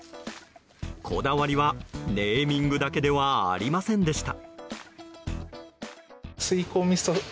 こだわりはネーミングだけではありませんでした。